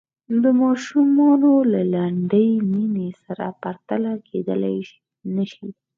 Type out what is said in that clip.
د ماشوم له لنډې مینې سره پرتله کېدلای نه شي.